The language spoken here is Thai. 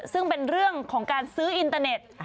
ซึ่งเป็นเรื่องของการซื้ออินเตอร์เน็ต